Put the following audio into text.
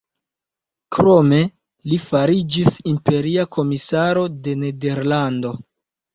Krome li fariĝis imperia komisaro de Nederlando.